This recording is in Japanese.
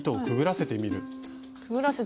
くぐらせてみる。